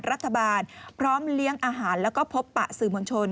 รัฐบาลพร้อมเลี้ยงอาหารแล้วก็พบปะสื่อมวลชน